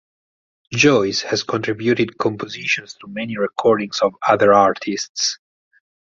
Joyce has contributed compositions to many recordings of other artists.